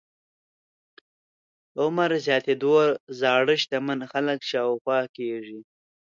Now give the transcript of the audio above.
عمر زياتېدو زاړه شتمن خلک شاوخوا کېږي.